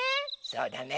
そうだね。